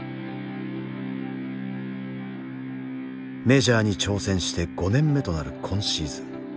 メジャーに挑戦して５年目となる今シーズン。